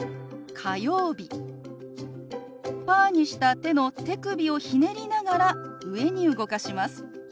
パーにした手の手首をひねりながら上に動かします。